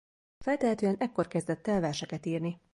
Feltehetően ekkor kezdett el verseket írni.